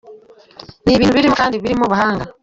Ni ibintu bimurimo kandi birimo ubuhanga.